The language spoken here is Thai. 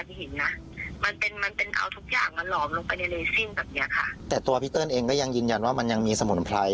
ที่เห็นนะมันเป็นมันเป็นเอาทุกอย่างมาหลอมลงไปในเลซิ่งแบบเนี้ยค่ะแต่ตัวพี่เติ้ลเองก็ยังยืนยันว่ามันยังมีสมุนไพร